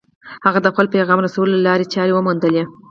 هغه د خپل پيغام رسولو لارې چارې وموندلې.